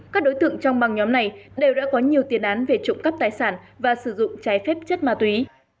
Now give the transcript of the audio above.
các đối tượng trong băng nhóm này đều đã có nhiều tiền án về trộm cắp tài sản và sử dụng trái phép chất ma túy